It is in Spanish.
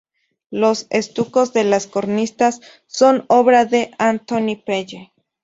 Los estucos de las cornisas son obra de Antonio Pelle.